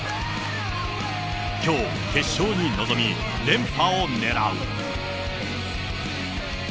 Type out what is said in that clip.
きょう、決勝に臨み、連覇を狙う。